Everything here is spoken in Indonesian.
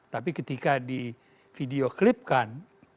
tapi ketika di video klipkan